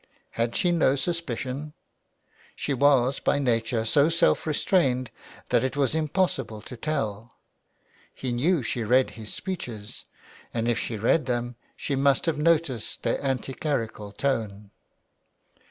Had she no suspicion ? She was by nature so self restrained that it was impossible to tell. He knew she read his speeches, and if she read them she must have noticed their anti clerical tone.